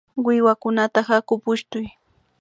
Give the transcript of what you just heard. Wiwakunata hatuy pushtu